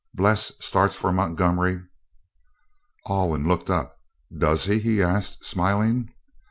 Bles starts for Montgomery " Alwyn looked up. "Does he?" he asked, smiling.